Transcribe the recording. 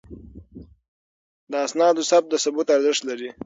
د اسنادو ثبت د ثبوت ارزښت لري.